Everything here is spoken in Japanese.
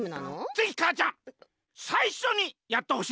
ぜひかあちゃんさいしょにやってほしいんだ！